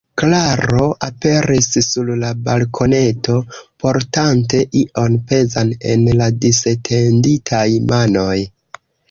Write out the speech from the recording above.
Klaro aperis sur la balkoneto, portante ion pezan en la disetenditaj manoj.